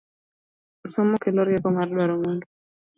Somo kelo rieko mar duaro mwandu